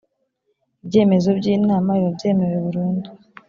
ibyemezo by inama biba byemewe burundu